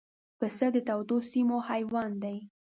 پسه د تودو سیمو حیوان دی.